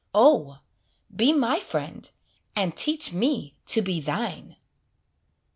O, be my friend, and teach me to be thine!